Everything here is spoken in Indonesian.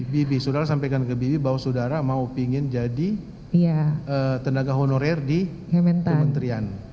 bibi saudara sampaikan ke bibi bahwa saudara mau ingin jadi tenaga honorer di kementerian